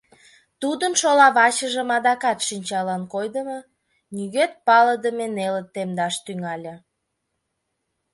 Тудын шола вачыжым адакат шинчалан койдымо, нигӧт палыдыме нелыт темдаш тӱҥале.